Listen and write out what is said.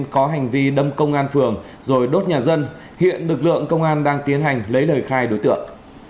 có hành vi đâm công an phường rồi đốt nhà dân hiện lực lượng công an đang tiến hành lấy lời khai đối tượng